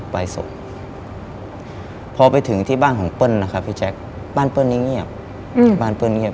ไปส่งพอไปถึงที่บ้านของเปิ้ลนะคะพี่แจ็คบ้านเปิ้ลนี้เงียบอืม